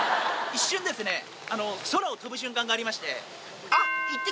一瞬ですね、空を飛ぶ瞬間がありまして、あっ、イッテＱ！